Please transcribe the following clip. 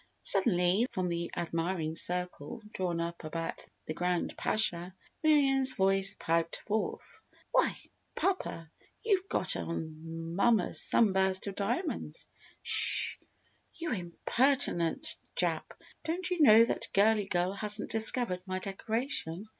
Suddenly, from the admiring circle drawn up about the Grand Pasha, Miriam's voice piped forth: "Why, papa! You've got on mamma's sunburst of diamonds!" "S sh you impertinent Jap! Don't you know that Girlie Girl hasn't discovered my decoration?